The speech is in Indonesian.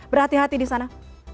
berhati hati di sana